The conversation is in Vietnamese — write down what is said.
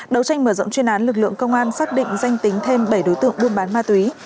đấu tranh mở rộng chuyên án lực lượng công an xác định danh tính thêm bảy đối tượng buôn bán ma túy